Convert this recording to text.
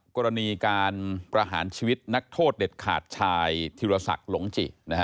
กรณีการประหารชีวิตนักโทษเด็ดขาดชายธิรศักดิ์หลงจิ